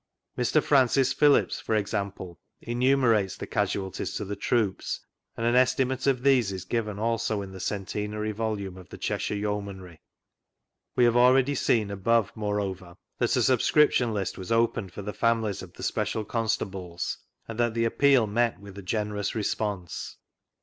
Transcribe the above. Mr. Francis Phillips, e.g., enumerates the casualties to the troops, and an estimate ot these is given also in the Centenary Volume of the Cheshire YetHuanry; we have already seen above, moreover, that a subscription list was opened for the families of the Special Constables, and that the a[q>eal met with a generous response.